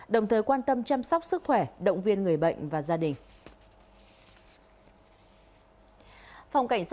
đồng thời quan tâm chăm sóc sức khỏe động viên người bệnh và gia đình